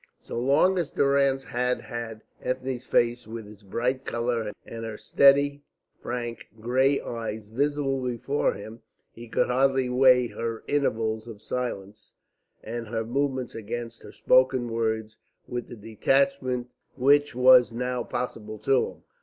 So long as Durrance had had Ethne's face with its bright colour and her steady, frank, grey eyes visible before him, he could hardly weigh her intervals of silence and her movements against her spoken words with the detachment which was now possible to him.